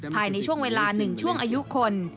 ภายในช่วงเวลา๑ช่วงอายุคน